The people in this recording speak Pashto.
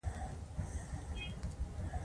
د ماشوم د قبضیت لپاره د انځر اوبه ورکړئ